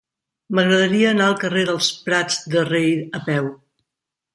M'agradaria anar al carrer dels Prats de Rei a peu.